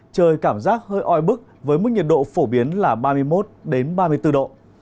trời cảm giác hơi oi bức với mức nhiệt độ phổ biến là ba mươi một ba mươi bốn độ